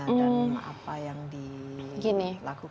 dan apa yang dilakukan